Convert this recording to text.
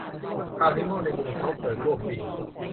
คราวนี้หม้อในมือเขาเกิดร่วงจริง